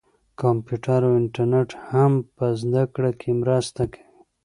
کمپیوټر او انټرنیټ هم په زده کړه کې مرسته کوي.